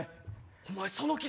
お前その傷！